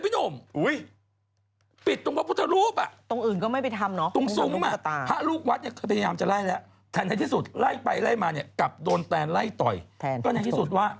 ผิดเหล่องล่าเลยดูสิผิดอย่างนี้แล้วพี่หนุ่ม